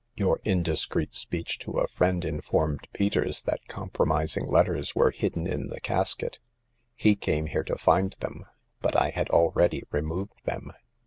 Your indiscreet speech to a friend informed Peters that compromising letters were hidden in the casket. He came here to find them ; but I had already removed them."